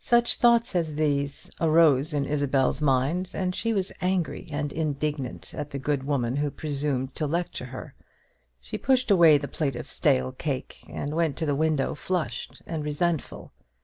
Such thoughts as this arose in Isabel's mind, and she was angry and indignant at the good woman who presumed to lecture her. She pushed away the plate of stale cake, and went to the window flushed and resentful.